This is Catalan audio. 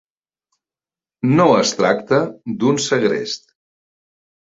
No es tracta d'un segrest.